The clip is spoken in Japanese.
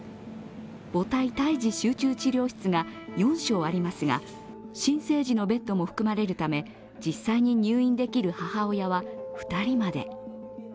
母体胎児集中治療室が４床ありますが、新生児のベッドも含まれるため、実際に入院できる母親は２人まで。